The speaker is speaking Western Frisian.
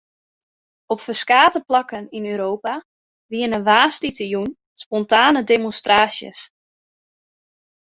Op ferskate plakken yn Europa wiene woansdeitejûn spontane demonstraasjes.